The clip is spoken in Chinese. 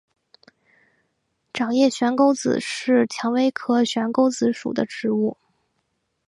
掌叶悬钩子是蔷薇科悬钩子属的植物。